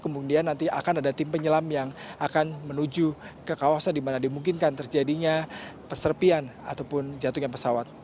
kemudian nanti akan ada tim penyelam yang akan menuju ke kawasan di mana dimungkinkan terjadinya peserpian ataupun jatuhnya pesawat